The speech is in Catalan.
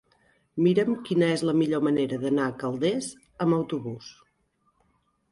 Mira'm quina és la millor manera d'anar a Calders amb autobús.